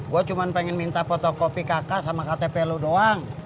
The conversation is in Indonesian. gue cuma pengen minta foto kopi kakak sama ktp lo doang